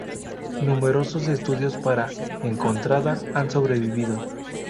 Numerosos estudios para "Encontrada" han sobrevivido.